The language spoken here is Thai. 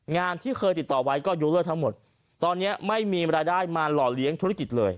งานที่เคยติดต่อไว้ก็ยกเลิกทั้งหมดตอนนี้ไม่มีรายได้มาหล่อเลี้ยงธุรกิจเลย